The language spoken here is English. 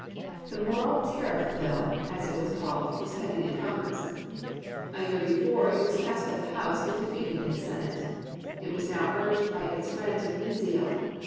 The Morrill Tariff Bill, as it was called, was pending in Congress. A year before it was passed by the House, but defeated in the Senate. It was now urged by its friends with new zeal.